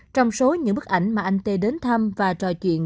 trong số những bức ảnh mà anh tê đến thăm và trò chuyện